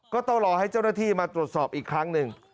ก็ต้องรอให้เจ้าหน้าที่มาตรวจสอบอีกครั้งหนึ่ง